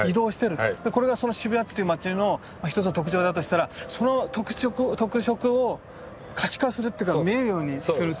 これがその渋谷っていう街の一つの特徴だとしたらその特色を可視化するっていうか見えるようにするっていう。